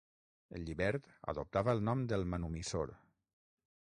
El llibert adoptava el nom del manumissor.